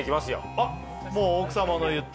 あもう奥様の言った